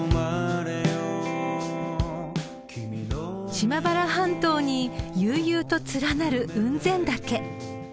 ［島原半島に悠々と連なる雲仙岳］